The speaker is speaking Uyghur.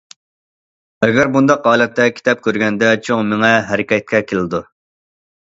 ئەگەر بۇنداق ھالەتتە كىتاب كۆرگەندە، چوڭ مېڭە ھەرىكەتكە كېلىدۇ.